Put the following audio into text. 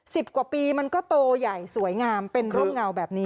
สิบกว่าปีมันก็โตใหญ่สวยงามเป็นร่มเงาแบบนี้